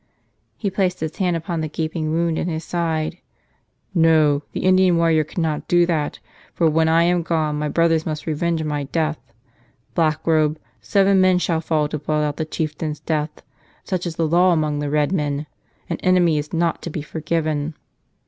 He placed his hand upon the gaping wound in his side. "No; the Indian warrior cannot do that; for when I am gone my brothers must revenge my death. Blackrobe, seven men shall fall to blot out the chieftain's death — such is the law among the redmen! An enemy is not to be forgiven."